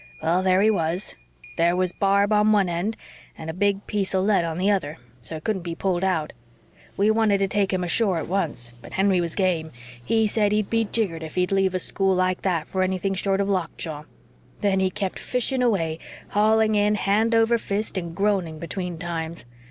Well, there he was; there was barb on one end and a big piece of lead on the other, so it couldn't be pulled out. We wanted to take him ashore at once, but Henry was game; he said he'd be jiggered if he'd leave a school like that for anything short of lockjaw; then he kept fishing away, hauling in hand over fist and groaning between times.